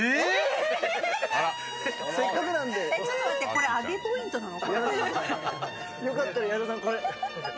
これ、アゲポイントなの？